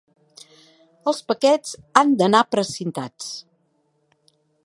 Els paquets han d'anar precintats.